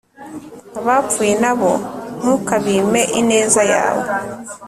abapfuye na bo ntukabime ineza yawe